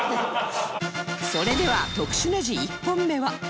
それでは特殊ネジ１本目は